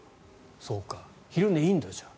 そうか、昼寝いいんだ、じゃあ。